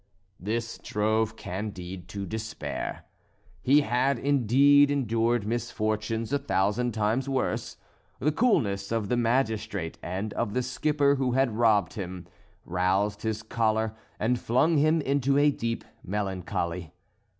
This drove Candide to despair; he had, indeed, endured misfortunes a thousand times worse; the coolness of the magistrate and of the skipper who had robbed him, roused his choler and flung him into a deep melancholy.